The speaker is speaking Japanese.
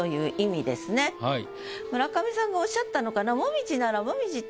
村上さんがおっしゃったのかな。